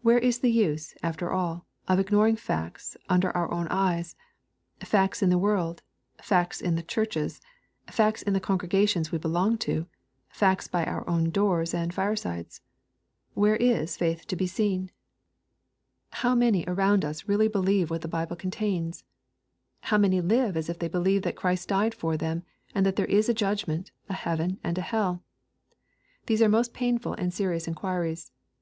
Where is the use, after all, of ignoring facts under oui own eyes, — facts in the world, — ^facts in the churches, — facts in the congregations we belong to, — facts by oui own doors and firesides ? Where is faith to be seen ^\ 1 1 256 EXPOSITORY THOUGHTS. How many aroundjis really believe what the Bible coa tains ? How many live as if they believed that Christ died for them, and that there is a judgment, a heaven, and a hell ?— These are most painful and serious iu quiries.